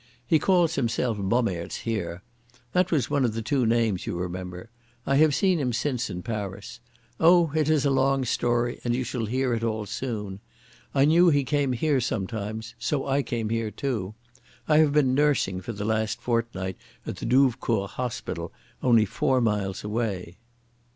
"He calls himself Bommaerts here. That was one of the two names, you remember. I have seen him since in Paris. Oh, it is a long story and you shall hear it all soon. I knew he came here sometimes, so I came here too. I have been nursing for the last fortnight at the Douvecourt Hospital only four miles away."